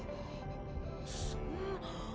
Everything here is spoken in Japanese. そんな。